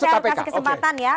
saya kasih kesempatan ya